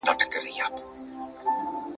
د دې غم لړلي صحنې ننداره کوله ..